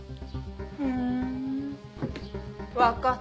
ふんわかった。